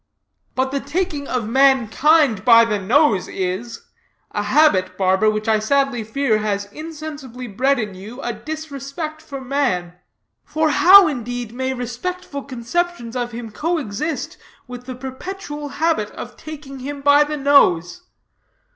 "But the taking of mankind by the nose is; a habit, barber, which I sadly fear has insensibly bred in you a disrespect for man. For how, indeed, may respectful conceptions of him coexist with the perpetual habit of taking him by the nose?